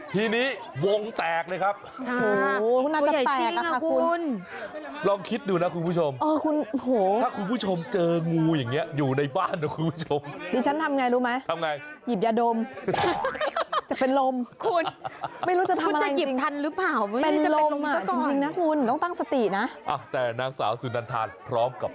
ทีนี้วงแตกเลยครับ